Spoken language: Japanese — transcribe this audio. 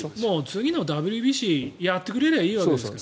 次のＷＢＣやってくれればいいわけですから。